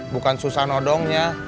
bukan susah nodongnya